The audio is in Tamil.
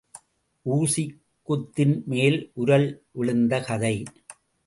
ஊசிக் குத்தின்மேல் உரல் விழுந்த கதை.